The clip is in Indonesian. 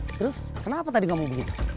terus kenapa tadi kamu begitu